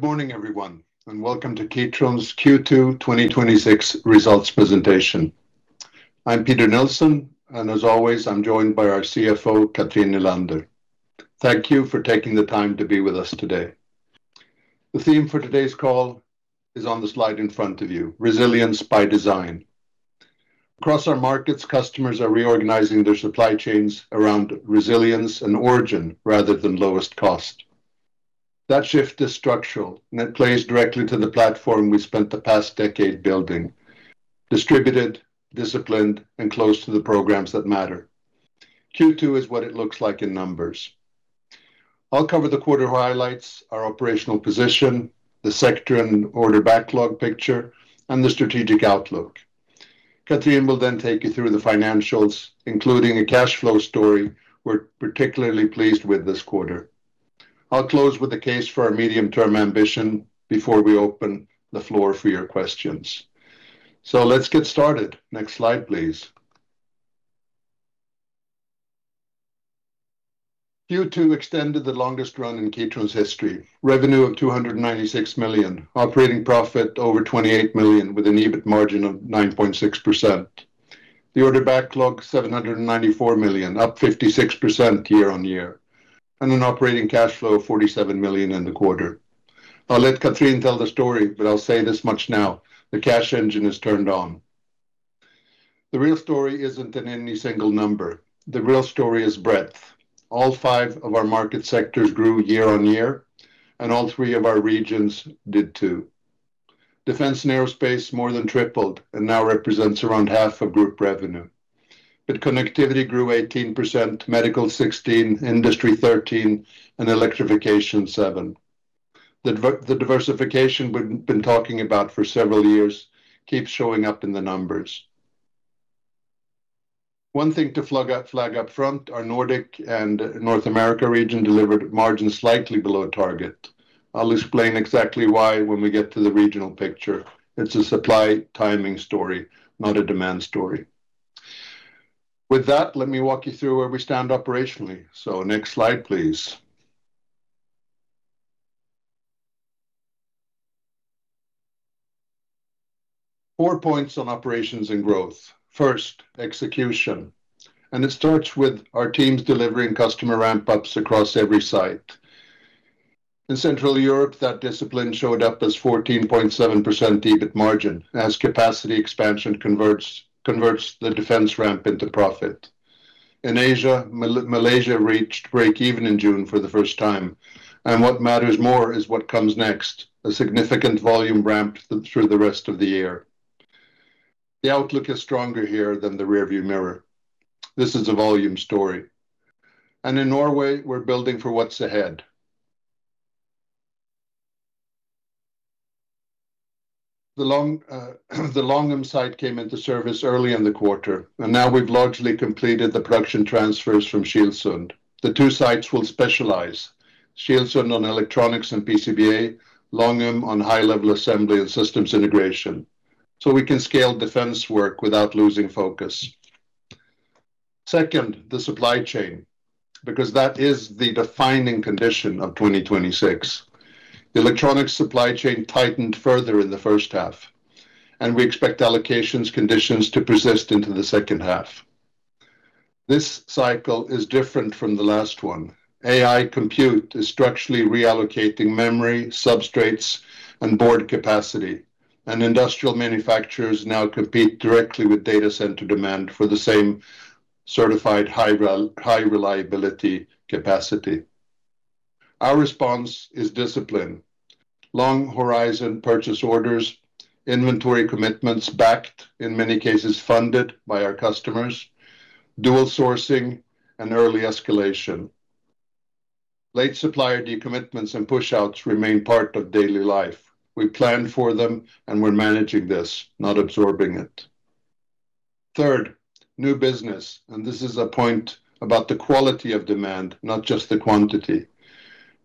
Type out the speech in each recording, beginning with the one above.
Good morning, everyone, and welcome to Kitron's Q2 2026 results presentation. I'm Peter Nilsson, and as always, I'm joined by our CFO, Cathrin Nylander. Thank you for taking the time to be with us today. The theme for today's call is on the slide in front of you, resilience by design. Across our markets, customers are reorganizing their supply chains around resilience and origin rather than lowest cost. That shift is structural, and it plays directly to the platform we spent the past decade building, distributed, disciplined, and close to the programs that matter. Q2 is what it looks like in numbers. I'll cover the quarter highlights, our operational position, the sector and order backlog picture, and the strategic outlook. Cathrin will take you through the financials, including a cash flow story we're particularly pleased with this quarter. I'll close with the case for our medium-term ambition before we open the floor for your questions. Let's get started. Next slide, please. Q2 extended the longest run in Kitron's history. Revenue of 296 million, operating profit over 28 million with an EBIT margin of 9.6%. The order backlog 794 million, up 56% year-on-year, and an operating cash flow of 47 million in the quarter. I'll let Cathrin tell the story, but I'll say this much now, the cash engine is turned on. The real story isn't in any single number. The real story is breadth. All five of our market sectors grew year-on-year, and all three of our regions did too. Defence & Aerospace more than tripled and now represents around half of group revenue. Connectivity grew 18%, Medical 16%, Industry 13%, and Electrification 7%. The diversification we've been talking about for several years keeps showing up in the numbers. One thing to flag up front, our Nordic and North America region delivered margins slightly below target. I'll explain exactly why when we get to the regional picture. It's a supply timing story, not a demand story. With that, let me walk you through where we stand operationally. Next slide, please. Four points on operations and growth. First, execution, and it starts with our teams delivering customer ramp-ups across every site. In Central Europe, that discipline showed up as 14.7% EBIT margin as capacity expansion converts the Defence ramp into profit. In Asia, Malaysia reached break even in June for the first time, and what matters more is what comes next, a significant volume ramp through the rest of the year. The outlook is stronger here than the rearview mirror. This is a volume story. In Norway, we're building for what's ahead. The Longum site came into service early in the quarter, and now we've largely completed the production transfers from Kilsund. The two sites will specialize, Kilsund on electronics and PCBA, Longum on high-level assembly and systems integration, so we can scale Defence work without losing focus. Second, the supply chain, because that is the defining condition of 2026. The electronic supply chain tightened further in the first half, and we expect allocations conditions to persist into the second half. This cycle is different from the last one. AI compute is structurally reallocating memory, substrates, and board capacity, and industrial manufacturers now compete directly with data center demand for the same certified high reliability capacity. Our response is discipline. Long horizon purchase orders, inventory commitments backed, in many cases, funded by our customers, dual sourcing, and early escalation. Late supplier decommitments and pushouts remain part of daily life. We plan for them, and we're managing this, not absorbing it. Third, new business, this is a point about the quality of demand, not just the quantity.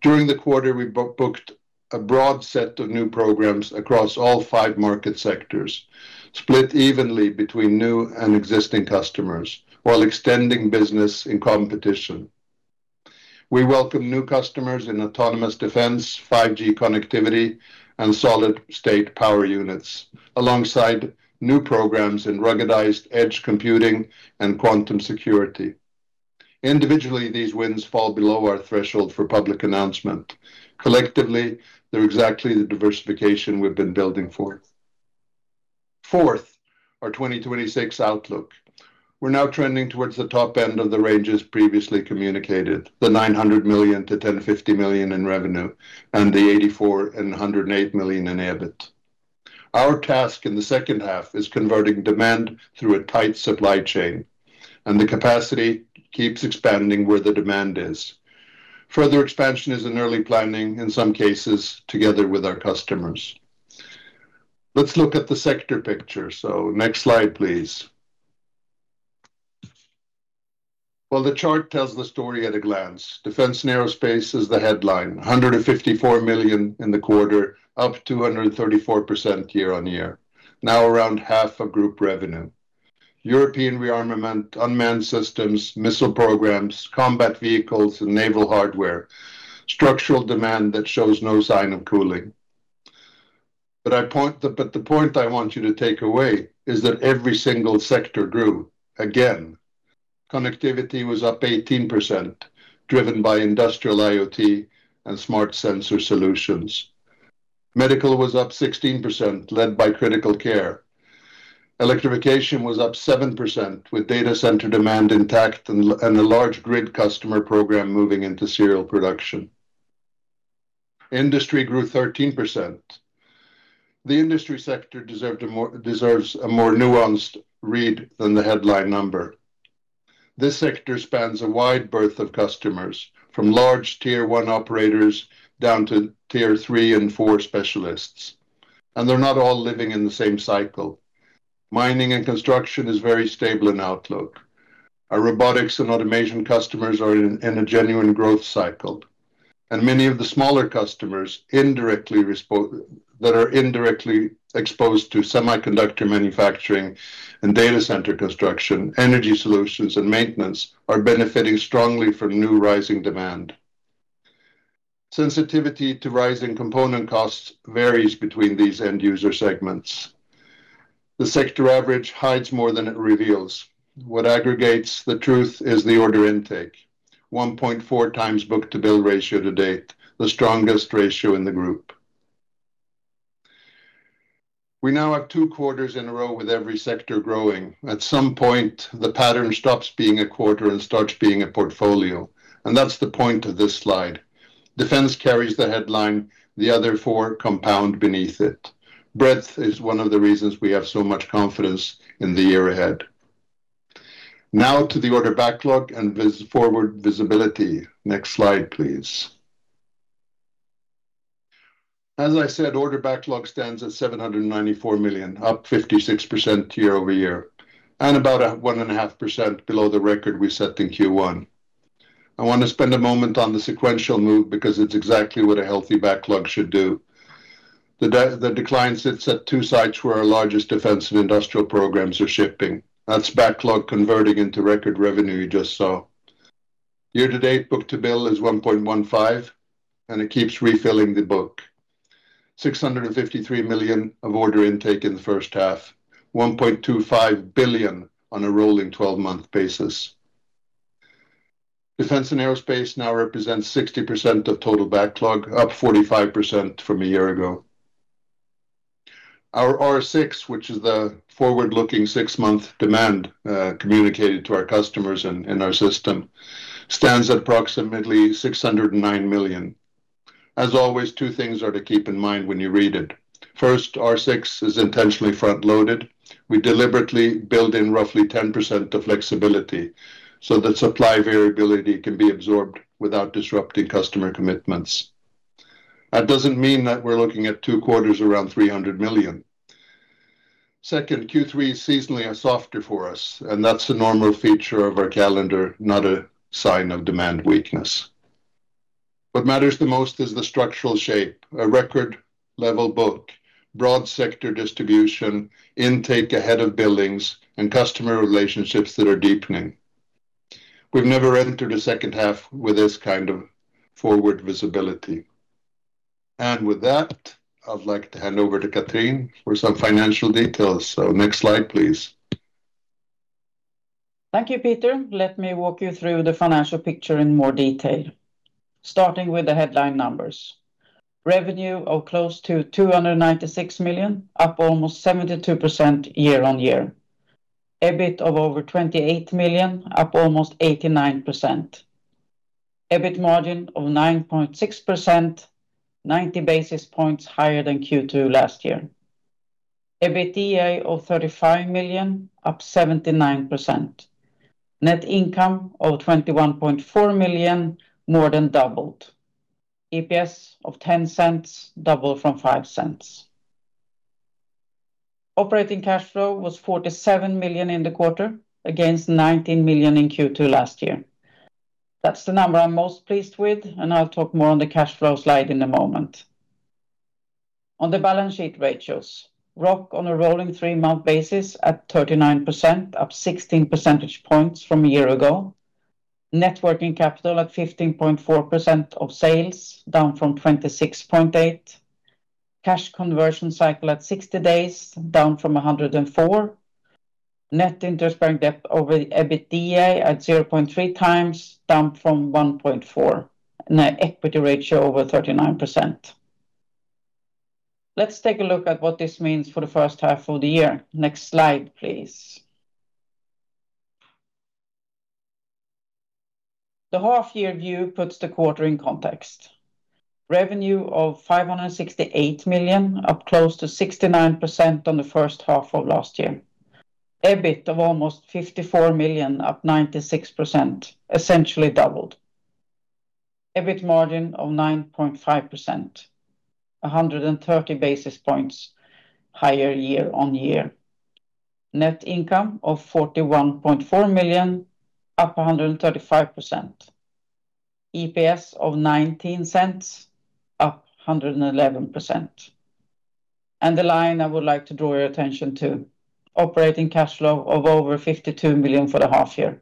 During the quarter, we booked a broad set of new programs across all five market sectors, split evenly between new and existing customers while extending business in competition. We welcome new customers in autonomous defence, 5G Connectivity, and solid-state power units, alongside new programs in ruggedized edge computing and quantum security. Individually, these wins fall below our threshold for public announcement. Collectively, they're exactly the diversification we've been building for. Fourth, our 2026 outlook. We're now trending towards the top end of the ranges previously communicated, the 900 million-1,050 million in revenue and the 84 million and 108 million in EBIT. Our task in the second half is converting demand through a tight supply chain. The capacity keeps expanding where the demand is. Further expansion is in early planning, in some cases, together with our customers. Let's look at the sector picture. Next slide, please. The chart tells the story at a glance. Defence & Aerospace is the headline, 154 million in the quarter, up 234% year-over-year. Now around half of group revenue. European rearmament, unmanned systems, missile programs, combat vehicles and naval hardware. Structural demand that shows no sign of cooling. The point I want you to take away is that every single sector grew again. Connectivity was up 18%, driven by industrial IoT and Smart Sensor Solutions. Medical was up 16%, led by critical care. Electrification was up 7% with data center demand intact and a large grid customer program moving into serial production. Industry grew 13%. The Industry sector deserves a more nuanced read than the headline number. This sector spans a wide berth of customers, from large Tier-1 operators down to Tier-3 and 4 specialists. They're not all living in the same cycle. Mining and construction is very stable in outlook. Our robotics and automation customers are in a genuine growth cycle. Many of the smaller customers that are indirectly exposed to semiconductor manufacturing and data center construction, energy solutions, and maintenance are benefiting strongly from new rising demand. Sensitivity to rising component costs varies between these end user segments. The sector average hides more than it reveals. What aggregates the truth is the order intake, 1.4x book-to-bill ratio to date, the strongest ratio in the group. We now have two quarters in a row with every sector growing. At some point, the pattern stops being a quarter and starts being a portfolio. That's the point of this slide. Defence carries the headline, the other four compound beneath it. Breadth is one of the reasons we have so much confidence in the year ahead. Now to the order backlog and forward visibility. Next slide, please. As I said, order backlog stands at 794 million, up 56% year-over-year, about 1.5% below the record we set in Q1. I want to spend a moment on the sequential move because it's exactly what a healthy backlog should do. The declines sit at two sites where our largest Defence and industrial programs are shipping. That's backlog converting into record revenue you just saw. Year-to-date, book-to-bill is 1.15x. It keeps refilling the book. 653 million of order intake in the first half, 1.25 billion on a rolling 12-month basis. Defence & Aerospace now represents 60% of total backlog, up 45% from a year ago. Our R6, which is the forward-looking six-month demand, communicated to our customers and our system, stands at approximately 609 million. As always, two things are to keep in mind when you read it. First, R6 is intentionally front-loaded. We deliberately build in roughly 10% of flexibility so that supply variability can be absorbed without disrupting customer commitments. That doesn't mean that we're looking at two quarters around 300 million. Second, Q3 is seasonally our softer for us, and that's a normal feature of our calendar, not a sign of demand weakness. What matters the most is the structural shape, a record level book, broad sector distribution, intake ahead of billings, and customer relationships that are deepening. We've never entered a second half with this kind of forward visibility. With that, I would like to hand over to Cathrin for some financial details. Next slide, please. Thank you, Peter. Let me walk you through the financial picture in more detail. Starting with the headline numbers. Revenue of close to 296 million, up almost 72% year-on-year. EBIT of over 28 million, up almost 89%. EBIT margin of 9.6%, 90 basis points higher than Q2 last year. EBITDA of 35 million, up 79%. Net income of 21.4 million, more than doubled. EPS of 0.10, double from 0.05. Operating cash flow was 47 million in the quarter against 19 million in Q2 last year. That's the number I'm most pleased with, and I'll talk more on the cash flow slide in a moment. On the balance sheet ratios. ROOC on a rolling three-month basis at 39%, up 16 percentage points from a year ago. Net working capital at 15.4% of sales, down from 26.8%. Cash conversion cycle at 60 days. Down from 104 days. Net interest bearing debt over the EBITDA at 0.3x, down from 1.4x. Net equity ratio over 39%. Let's take a look at what this means for the first half of the year. Next slide, please. The half-year view puts the quarter in context. Revenue of 568 million, up close to 69% on the first half of last year. EBIT of almost 54 million, up 96%, essentially doubled. EBIT margin of 9.5%, 130 basis points higher year-on-year. Net income of 41.4 million, up 135%. EPS of 0.19, up 111%. The line I would like to draw your attention to, operating cash flow of over 52 million for the half year,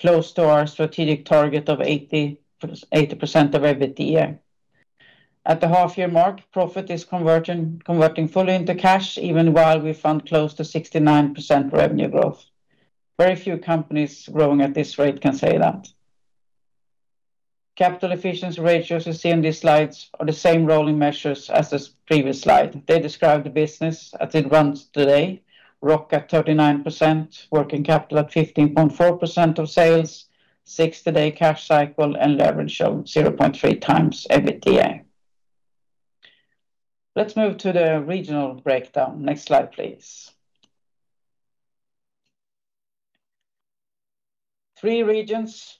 close to our strategic target of 80% of EBITDA. At the half year mark, profit is converting fully into cash, even while we found close to 69% revenue growth. Very few companies growing at this rate can say that. Capital efficiency ratios you see on these slides are the same rolling measures as the previous slide. They describe the business as it runs today. ROOC at 39%, working capital at 15.4% of sales, 60-day cash cycle, and leverage of 0.3x EBITDA. Let's move to the regional breakdown. Next slide, please. Three regions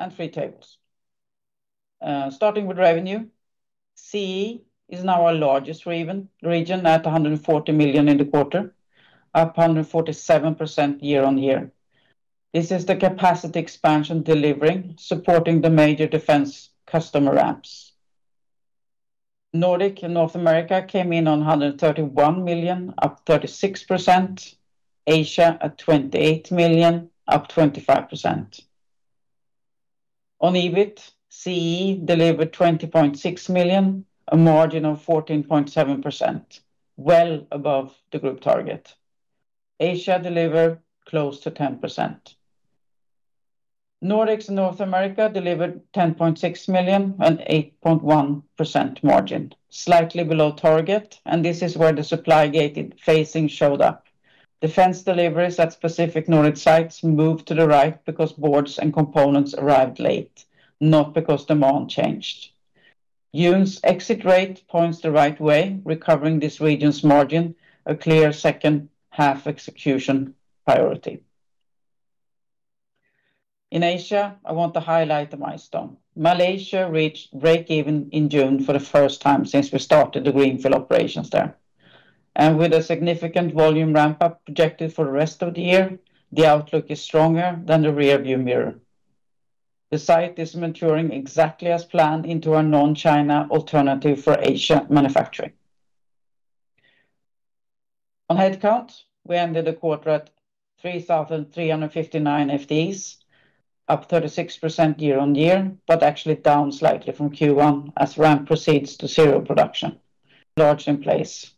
and three tables. Starting with revenue, CE is now our largest region at 140 million in the quarter, up 147% year-over-year. This is the capacity expansion delivering, supporting the major Defence customer ramps. Nordic and North America came in on 131 million, up 36%. Asia at 28 million, up 25%. On EBIT, CE delivered 20.6 million, a margin of 14.7%, well above the group target. Asia delivered close to 10%. Nordics and North America delivered 10.6 million and 8.1% margin, slightly below target, and this is where the supply phasing showed up. Defence deliveries at specific Nordic sites moved to the right because boards and components arrived late, not because demand changed. June's exit rate points the right way, recovering this region's margin, a clear second-half execution priority. In Asia, I want to highlight the milestone. Malaysia reached break-even in June for the first time since we started the greenfield operations there. With a significant volume ramp-up projected for the rest of the year, the outlook is stronger than the rearview mirror. The site is maturing exactly as planned into a non-China alternative for Asia manufacturing. On headcount, we ended the quarter at 3,359 FTEs, up 36% year-over-year, but actually down slightly from Q1 as ramp proceeds to serial production, large in place.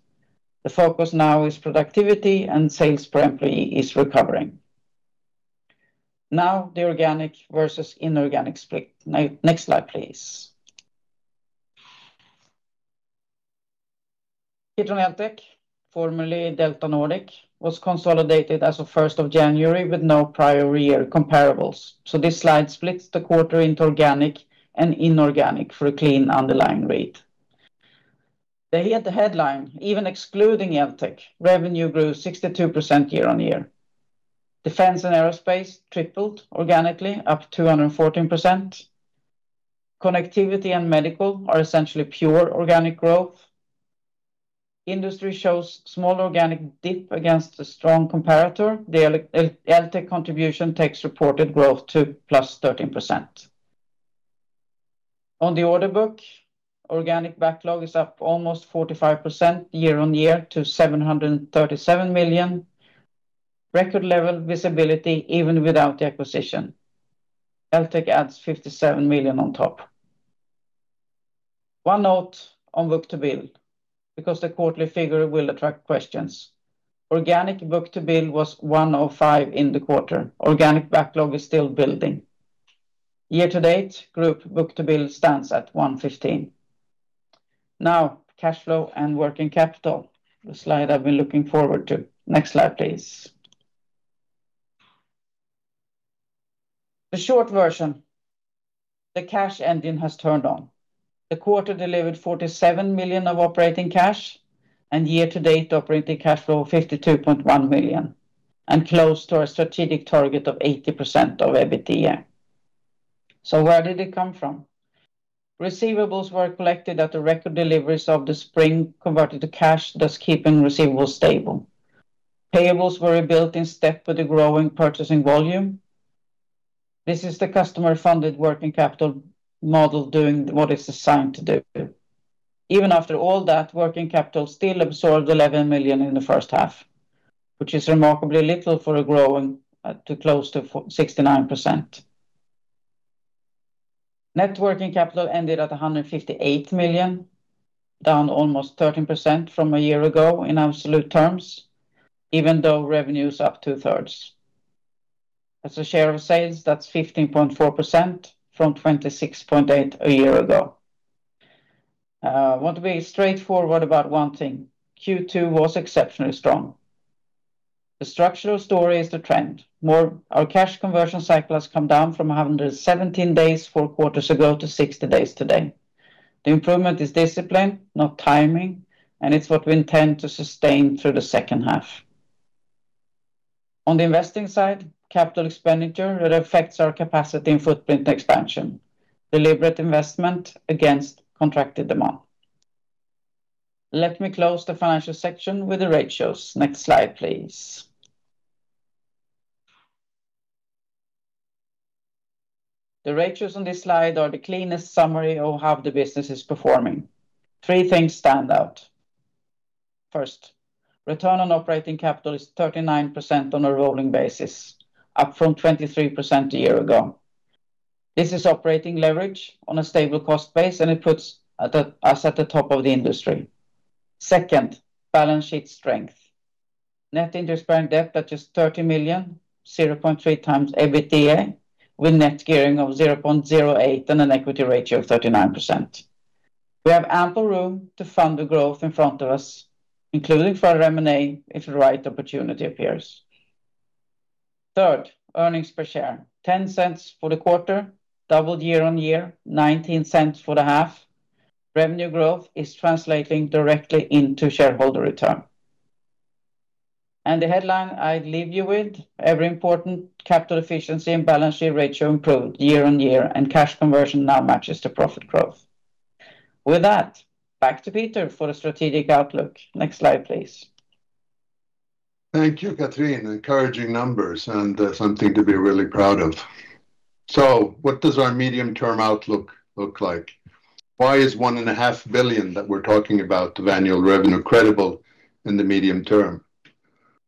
The focus now is productivity and sales per employee is recovering. The organic versus inorganic split. Next slide, please. Kitron Eltech, formerly DeltaNordic, was consolidated as of 1st of January with no prior real comparables, so this slide splits the quarter into organic and inorganic for a clean underlying read. They hit the headline. Even excluding Eltech, revenue grew 62% year-over-year. Defence & Aerospace tripled organically, up 214%. Connectivity and Medical are essentially pure organic growth. Industry shows small organic dip against a strong comparator. The Eltech contribution takes reported growth to +13%. On the order book, organic backlog is up almost 45% year-over-year to 737 million. Record level visibility even without the acquisition. Eltech adds 57 million on top. One note on book-to-bill, because the quarterly figure will attract questions. Organic book-to-bill was 105 in the quarter. Organic backlog is still building. Year-to-date, group book-to-bill stands at 115. Cash flow and working capital, the slide I've been looking forward to. Next slide, please. The short version, the cash engine has turned on. The quarter delivered 47 million of operating cash and year-to-date, operating cash flow, 52.1 million, and close to our strategic target of 80% of EBITDA. Where did it come from? Receivables were collected at the record deliveries of the spring converted to cash, thus keeping receivables stable. Payables were rebuilt in step with the growing purchasing volume. This is the customer-funded working capital model doing what it's assigned to do. Even after all that, working capital still absorbed 11 million in the first half, which is remarkably little for a growing at close to 69%. Net working capital ended at 158 million, down almost 13% from a year ago in absolute terms, even though revenue is up 2/3. As a share of sales, that's 15.4% from 26.8% a year ago. I want to be straightforward about one thing. Q2 was exceptionally strong. The structural story is the trend. Our cash conversion cycle has come down from 117 days four quarters ago to 60 days today. The improvement is discipline, not timing, and it's what we intend to sustain through the second half. On the investing side, capital expenditure, it affects our capacity and footprint expansion. Deliberate investment against contracted demand. Let me close the financial section with the ratios. Next slide, please. The ratios on this slide are the cleanest summary of how the business is performing. Three things stand out. First, return on operating capital is 39% on a rolling basis, up from 23% a year ago. This is operating leverage on a stable cost base, and it puts us at the top of the industry. Second, balance sheet strength. Net interest-bearing debt that is 30 million, 0.3x EBITDA with net gearing of 0.08x and an equity ratio of 39%. We have ample room to fund the growth in front of us, including for M&A if the right opportunity appears. Third, earnings per share. 0.10 for the quarter, doubled year-on-year, 0.19 for the half. Revenue growth is translating directly into shareholder return. The headline I leave you with, ever-important capital efficiency and balance sheet ratio improved year-on-year and cash conversion now matches the profit growth. With that, back to Peter for the strategic outlook. Next slide, please. Thank you, Cathrin. Encouraging numbers and something to be really proud of. What does our medium-term outlook look like? Why is 1.5 billion that we're talking about of annual revenue credible in the medium term?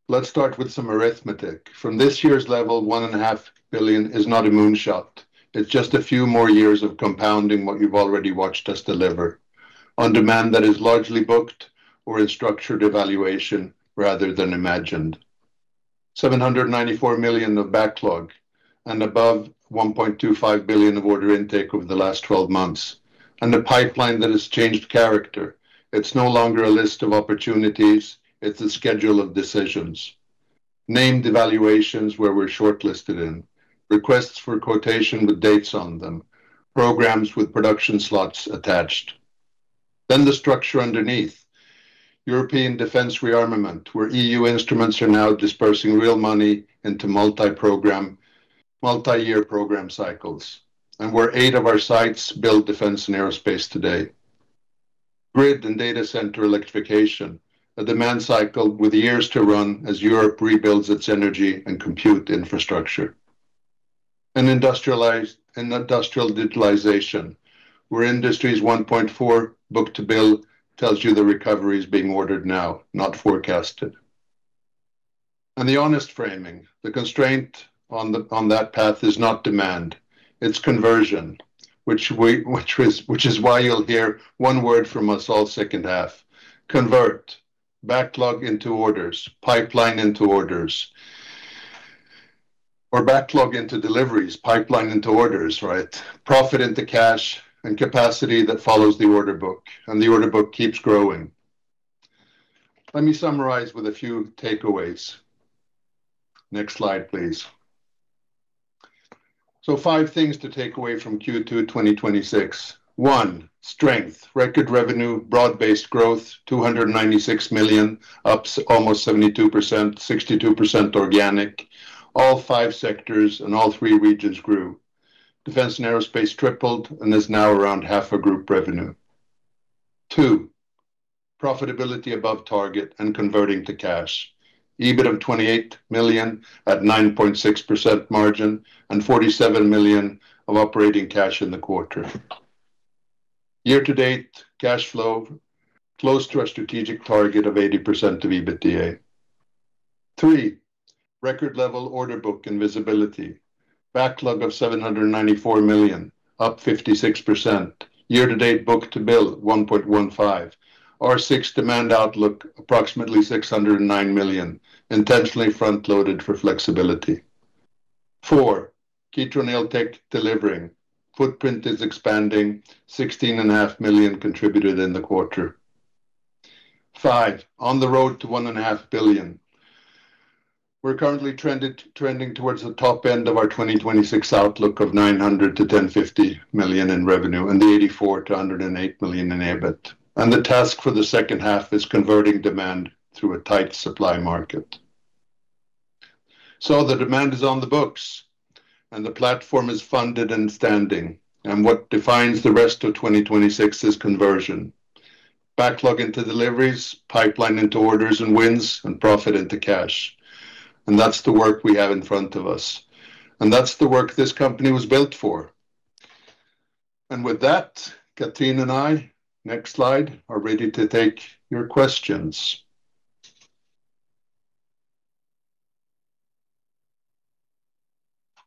Let's start with some arithmetic. From this year's level, 1.5 billion is not a moonshot. It's just a few more years of compounding what you've already watched us deliver on demand that is largely booked or in structured evaluation rather than imagined. 794 million of backlog and above 1.25 billion of order intake over the last 12 months, a pipeline that has changed character. It's no longer a list of opportunities. It's a schedule of decisions. Named evaluations where we're shortlisted in. Requests for quotation with dates on them. Programs with production slots attached. The structure underneath. European Defence rearmament, where E.U. instruments are now dispersing real money into multi-year program cycles, and where eight of our sites build Defence & Aerospace today. grid and data center Electrification, a demand cycle with years to run as Europe rebuilds its energy and compute infrastructure. Industrial digitalization, where Industry's 1.4x book-to-bill tells you the recovery is being ordered now, not forecasted. The honest framing, the constraint on that path is not demand, it's conversion. Which is why you'll hear one word from us all second half, convert. Backlog into orders. Pipeline into orders. Backlog into deliveries, pipeline into orders, right? Profit into cash, Capacity that follows the order book, The order book keeps growing. Let me summarize with a few takeaways. Next slide, please. Five things to take away from Q2 2026. One, strength. Record revenue, broad-based growth, 296 million, up almost 72%, 62% organic. All five sectors and all three regions grew. Defence & Aerospace tripled and is now around half of group revenue. Two, profitability above target and converting to cash. EBIT of 28 million at 9.6% margin and 47 million of operating cash in the quarter. Year-to-date cash flow close to our strategic target of 80% of EBITDA. Three, record level order book and visibility. Backlog of 794 million, up 56%. Year-to-date book-to-bill 1.15x. R6 demand outlook approximately 609 million, intentionally front-loaded for flexibility. Four, Kitron Eltech delivering. Footprint is expanding. 16.5 million contributed in the quarter. Five, on the road to 1.5 billion. We are currently trending towards the top end of our 2026 outlook of 900 million-1,050 million in revenue and 84 million-108 million in EBIT. The task for the second half is converting demand through a tight supply market. The demand is on the books and the platform is funded and standing, what defines the rest of 2026 is conversion. Backlog into deliveries, pipeline into orders and wins, and profit into cash. That is the work we have in front of us, and that is the work this company was built for. With that, Cathrin and I, next slide, are ready to take your questions.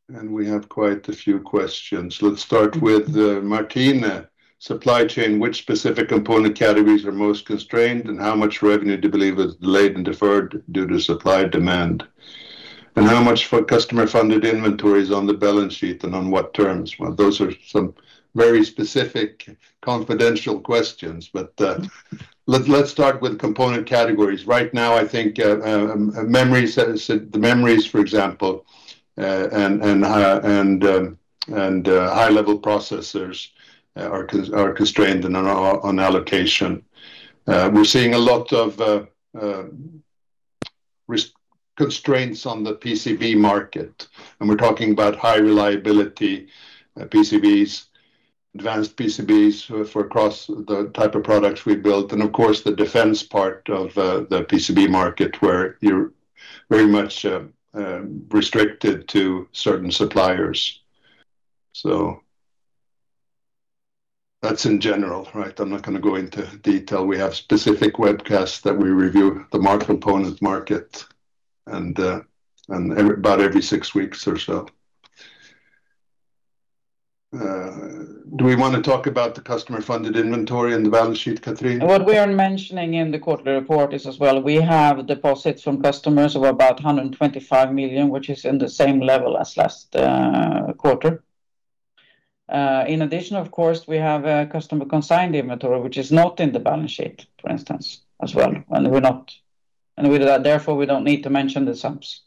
We have quite a few questions. Let us start with [Martine]. Supply chain, which specific component categories are most constrained, and how much revenue do you believe is delayed and deferred due to supply demand? How much customer-funded inventory is on the balance sheet, and on what terms? Those are some very specific confidential questions. Let us start with component categories. Right now, I think the memories, for example, and high-level processors are constrained on allocation. We are seeing a lot of constraints on the PCB market. We are talking about high reliability PCBs, advanced PCBs for the type of products we build, and of course. The Defence part of the PCB market, where you are very much restricted to certain suppliers. That is in general. I am not going to go into detail. We have specific webcasts that we review the component market about every six weeks or so. Do we want to talk about the customer-funded inventory and the balance sheet, Cathrin? What we are mentioning in the quarterly report is as well, we have deposits from customers of about 125 million, which is in the same level as last quarter. In addition, of course, we have a customer-consigned inventory, which is not in the balance sheet, for instance, as well. Therefore, we do not need to mention the sums.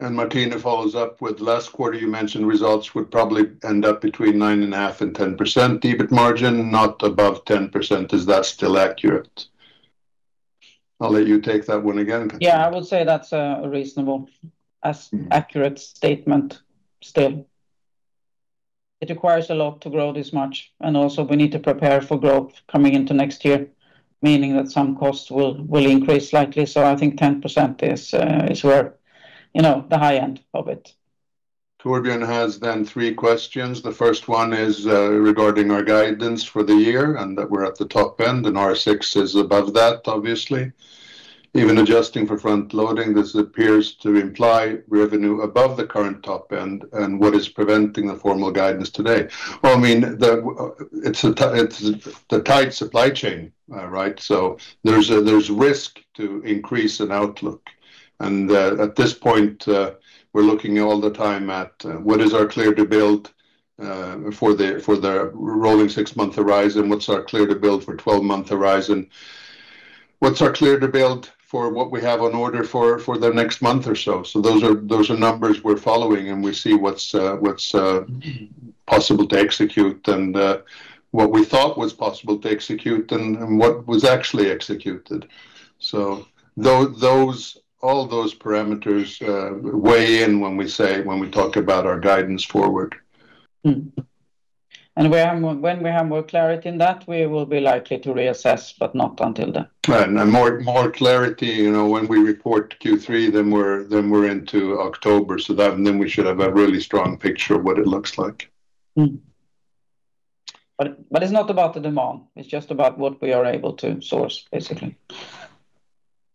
Martine follows up with, last quarter, you mentioned results would probably end up between 9.5% and 10% EBIT margin, not above 10%. Is that still accurate? I'll let you take that one again, Cathrin. Yeah, I would say that's a reasonable, accurate statement still. It requires a lot to grow this much. Also, we need to prepare for growth coming into next year, meaning that some costs will increase slightly. I think 10% is the high end of it. [Torbjörn] has then three questions. The first one is regarding our guidance for the year, and that we're at the top end, and R6 is above that, obviously. Even adjusting for front-loading, this appears to imply revenue above the current top end, and what is preventing the formal guidance today? Well, it's the tight supply chain. There's risk to increase in outlook. At this point, we're looking all the time at what is our clear to build for the rolling six-month horizon, what's our clear to build for 12-month horizon,. What's our clear to build for what we have on order for the next month or so. Those are numbers we're following, and we see what's possible to execute and what we thought was possible to execute and what was actually executed. All those parameters weigh in when we talk about our guidance forward. When we have more clarity in that, we will be likely to reassess, but not until then. More clarity, when we report Q3, we're into October, we should have a really strong picture of what it looks like. It's not about the demand, it's just about what we are able to source, basically.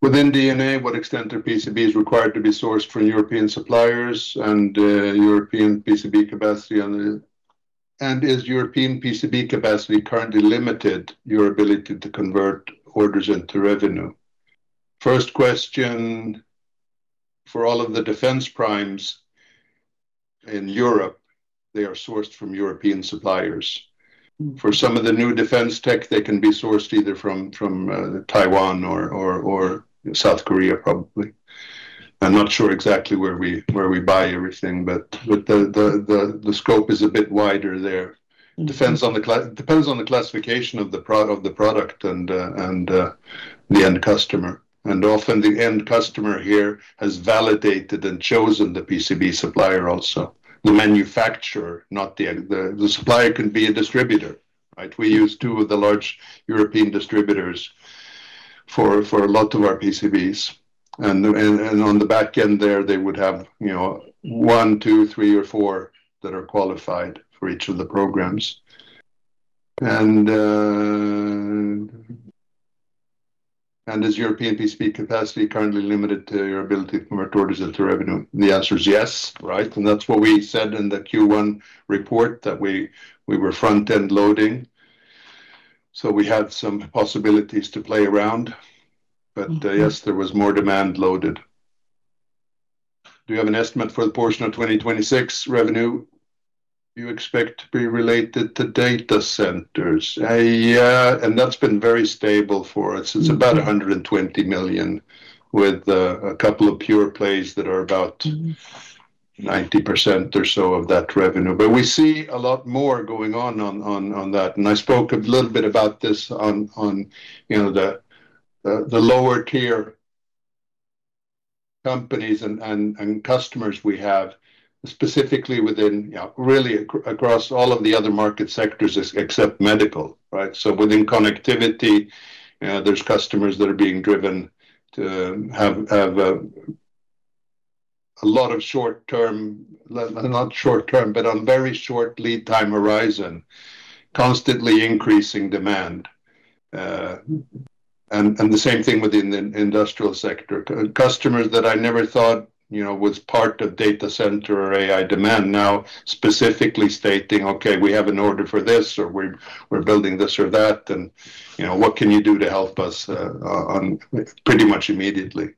Within D&A, what extent are PCBs required to be sourced from European suppliers and European PCB capacity? Is European PCB capacity currently limited your ability to convert orders into revenue? First question, for all of the defence primes in Europe, they are sourced from European suppliers. For some of the new defence tech, they can be sourced either from Taiwan or South Korea, probably. I'm not sure exactly where we buy everything, but the scope is a bit wider there. Depends on the classification of the product and the end customer. Often the end customer here has validated and chosen the PCB supplier also. The manufacturer. The supplier can be a distributor. We use two of the large European distributors for a lot of our PCBs. On the back end there, they would have one, two, three, or four that are qualified for each of the programs. Is European PCB capacity currently limited to your ability to convert orders into revenue? The answer is yes. That's what we said in the Q1 report, that we were front-end loading. We had some possibilities to play around. Yes, there was more demand loaded. Do you have an estimate for the portion of 2026 revenue you expect to be related to data centers? Yeah, that's been very stable for us. It's about 120 million, with a couple of pure plays that are about 90% or so of that revenue. We see a lot more going on that. I spoke a little bit about this on the lower tier companies and customers we have, specifically within, really across all of the other market sectors except Medical. Within Connectivity, there's customers that are being driven to have a lot of short term, not short term, but on very short lead time horizon, constantly increasing demand. The same thing within the Industry sector. Customers that I never thought was part of data center or AI demand now specifically stating, "Okay, we have an order for this," or, "We're building this or that," and, "What can you do to help us pretty much immediately?"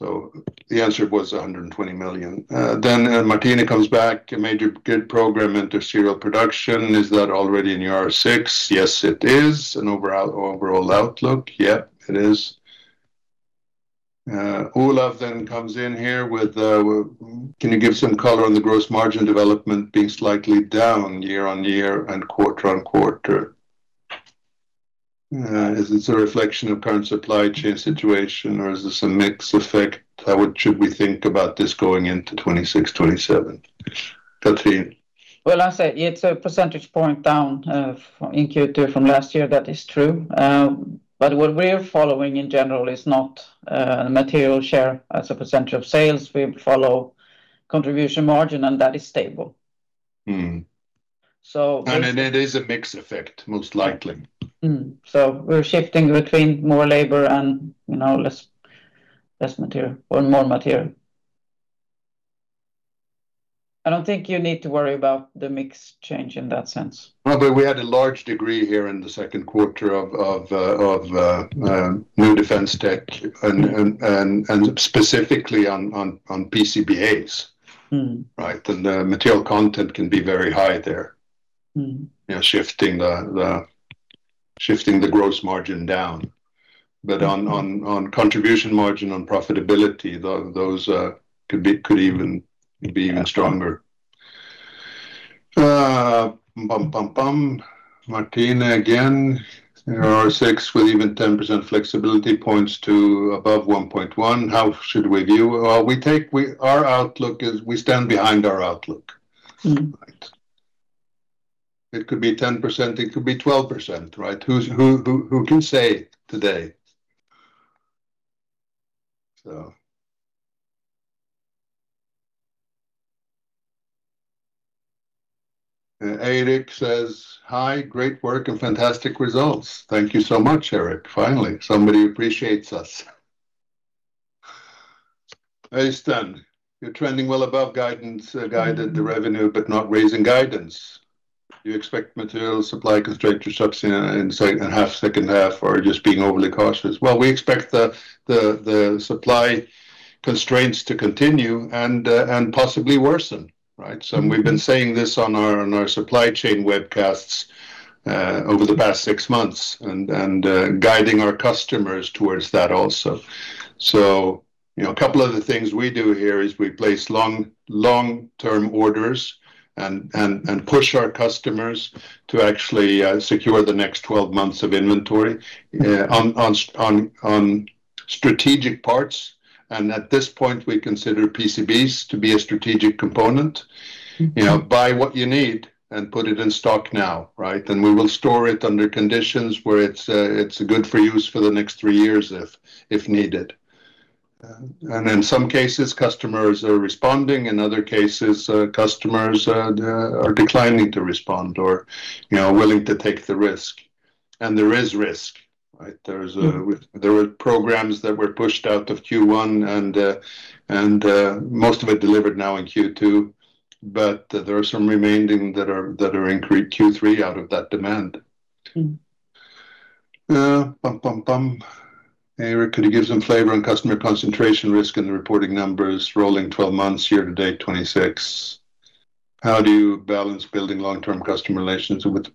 The answer was 120 million. Martine comes back, a major grid program into serial production. Is that already in your R6? Yes, it is. An overall outlook? Yeah, it is. [Olav] comes in here with, can you give some color on the gross margin development being slightly down year-on-year and quarter-on-quarter? Is this a reflection of current supply chain situation or is this a mix effect? How should we think about this going into 2026, 2027? Cathrin. Well, I say it's a percentage point down, in Q2 from last year, that is true. What we're following in general is not material share as a percentage of sales. We follow contribution margin, and that is stable. It is a mix effect, most likely. We are shifting between more labor and less material or more material. I don't think you need to worry about the mix change in that sense. We had a large degree here in the second quarter of new Defence tech and specifically on PCBAs. Right? The material content can be very high there. Shifting the gross margin down. On contribution margin, on profitability, those could even be even stronger. Martine again, R6 with even 10% flexibility points to above 1.1. How should we view? Our outlook is we stand behind our outlook. Right. It could be 10%, it could be 12%, right? Who can say today? [Erik] says, "Hi, great work and fantastic results." Thank you so much, Erik. Finally, somebody appreciates us. [Øystein], you're trending well above guidance, guided the revenue but not raising guidance. Do you expect material supply constraints to subsist in second half or are you just being overly cautious? We expect the supply constraints to continue and possibly worsen, right? We've been saying this on our supply chain webcasts over the past six months and guiding our customers towards that also. A couple of the things we do here is we place long-term orders and push our customers to actually secure the next 12 months of inventory on strategic parts. At this point, we consider PCBs to be a strategic component. Buy what you need and put it in stock now, right? We will store it under conditions where it's good for use for the next three years if needed. In some cases, customers are responding, in other cases, customers are declining to respond or willing to take the risk. There is risk, right? There were programs that were pushed out of Q1 and most of it delivered now in Q2, but there are some remaining that are in Q3 out of that demand. Erik, could you give some flavor on customer concentration risk in the reporting numbers rolling 12 months year-to-date 2026? How do you balance building long-term customer relationships with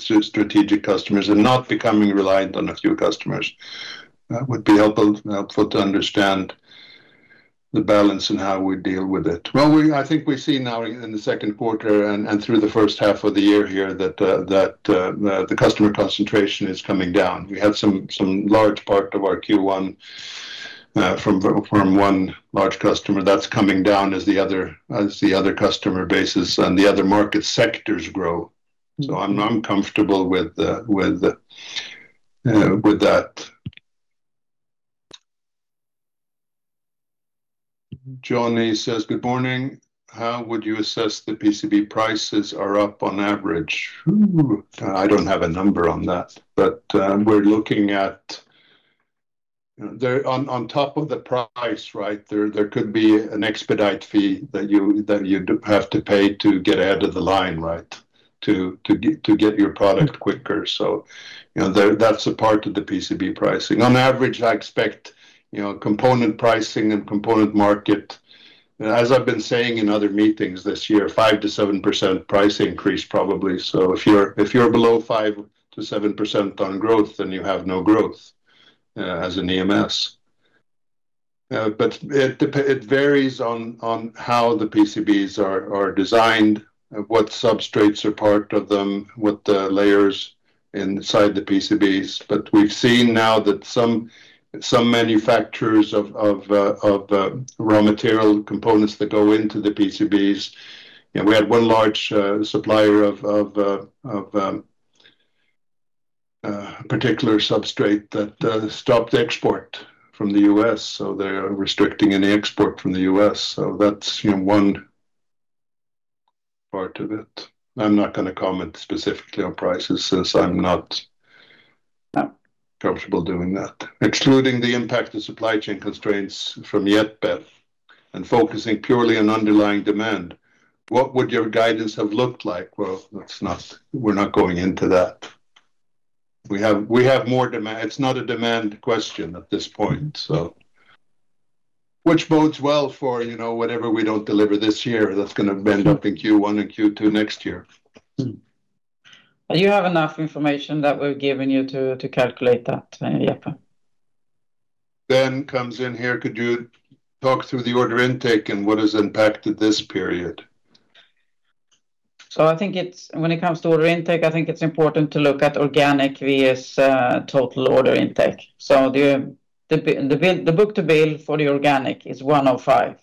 strategic customers and not becoming reliant on a few customers? That would be helpful to understand the balance and how we deal with it. I think we've seen now in the second quarter and through the first half of the year here that the customer concentration is coming down. We had some large part of our Q1 from one large customer that's coming down as the other customer bases and the other market sectors grow. I'm comfortable with that. Johnny says, "Good morning. How would you assess the PCB prices are up on average?" I don't have a number on that. We're looking at on top of the price, right, there could be an expedite fee that you'd have to pay to get ahead of the line, right? To get your product quicker. That's a part of the PCB pricing. On average, I expect component pricing and component market, as I've been saying in other meetings this year, 5%-7% price increase probably. If you're below 5%-7% on growth, then you have no growth as an EMS. It varies on how the PCBs are designed, what substrates are part of them, what layers inside the PCBs. We've seen now that some manufacturers of raw material components that go into the PCBs, we had one large supplier of a particular substrate that stopped export from the U.S., so they're restricting any export from the U.S. That's one part of it. I'm not going to comment specifically on prices since I'm not comfortable doing that. Excluding the impact of supply chain constraints from [Jeppe] and focusing purely on underlying demand, what would your guidance have looked like? Well, we're not going into that. It's not a demand question at this point. Which bodes well for whatever we don't deliver this year, that's going to end up in Q1 and Q2 next year? You have enough information that we've given you to calculate that, Jeppe. Ben comes in here, "Could you talk through the order intake and what has impacted this period? When it comes to order intake, I think it's important to look at organic versus total order intake. The book-to-bill for the organic is 105.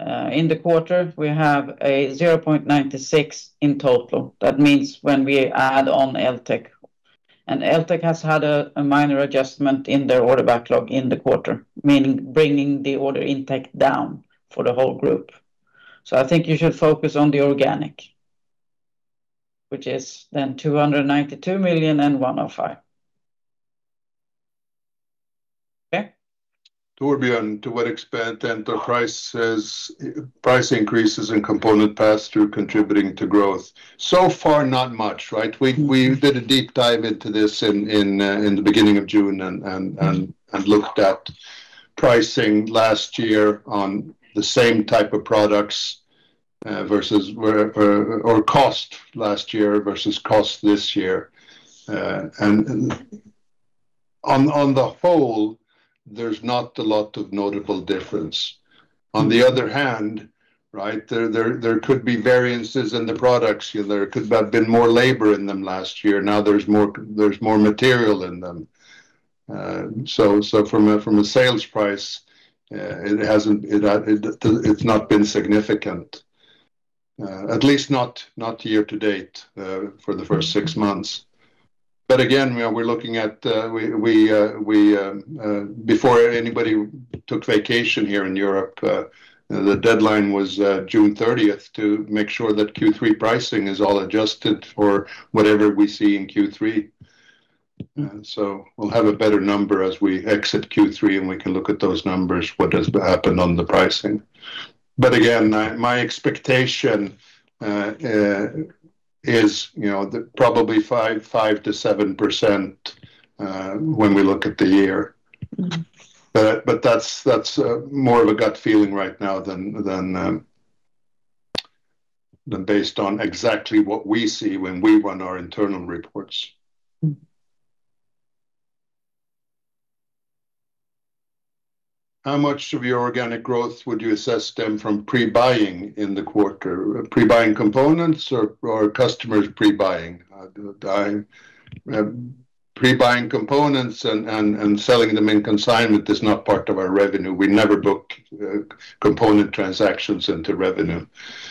In the quarter, we have a 0.96 in total. That means when we add on Eltech. And Eltech has had a minor adjustment in their order backlog in the quarter, meaning bringing the order intake down for the whole group. I think you should focus on the organic, which is then 292 million and 105. Okay. Torbjörn, "To what extent are price increases in component pass-through contributing to growth?" So far not much. We did a deep dive into this in the beginning of June and looked at pricing last year on the same type of products, or cost last year versus cost this year. On the whole, there's not a lot of notable difference. On the other hand, there could be variances in the products. There could have been more labor in them last year, now there's more material in them. From a sales price, it's not been significant. At least not year-to-date, for the first six months. Again, before anybody took vacation here in Europe, the deadline was June 30th to make sure that Q3 pricing is all adjusted for whatever we see in Q3. We'll have a better number as we exit Q3, and we can look at those numbers, what has happened on the pricing. Again, my expectation is probably 5%-7% when we look at the year. That's more of a gut feeling right now than based on exactly what we see when we run our internal reports. "How much of your organic growth would you assess stem from pre-buying in the quarter?" Pre-buying components or customers pre-buying? Pre-buying components and selling them in consignment is not part of our revenue. We never book component transactions into revenue.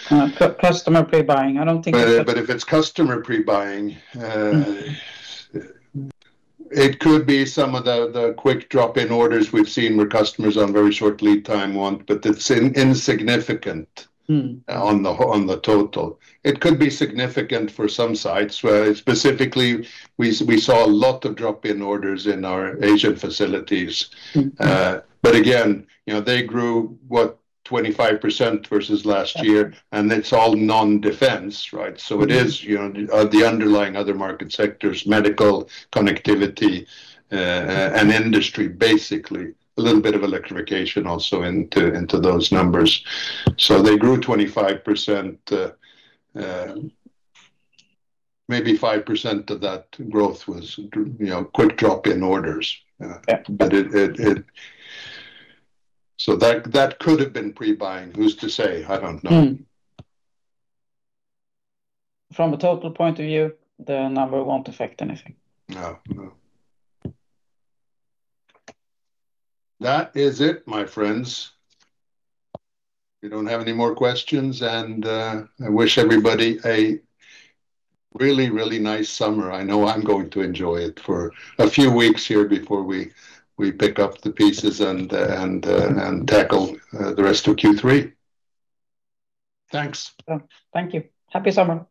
Customer pre-buying. I don't think it's. If it's customer pre-buying, it could be some of the quick drop-in orders we've seen where customers on very short lead time want, but it's insignificant on the total. It could be significant for some sites. Specifically, we saw a lot of drop-in orders in our Asian facilities. Again, they grew 25% versus last year, and it's all non-defence. It is the underlying other market sectors, Medical, Connectivity, and Industry, basically. A little bit of Electrification also into those numbers. They grew 25%, maybe 5% of that growth was quick drop-in orders. Yeah. That could have been pre-buying. Who's to say. I don't know. From a total point of view, the number won't affect anything. No. That is it, my friends. We don't have any more questions, and I wish everybody a really nice summer. I know I'm going to enjoy it for a few weeks here before we pick up the pieces and tackle the rest of Q3. Thanks. Thank you. Happy summer.